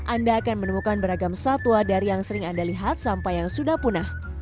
anda akan menemukan beragam satwa dari yang sering anda lihat sampai yang sudah punah